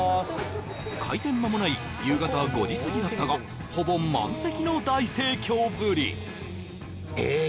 開店間もない夕方５時すぎだったがほぼ満席の大盛況ぶり